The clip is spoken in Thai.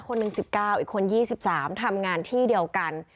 คนหนึ่ง๑๙อีกคน๒๓ทำงานที่เดียวกัน